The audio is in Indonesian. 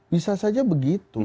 bisa saja begitu